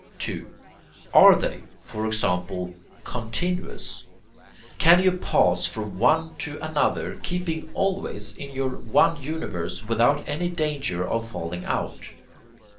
2. Are they, for example, CONTINUOUS? Can you pass from one to another, keeping always in your one universe without any danger of falling out?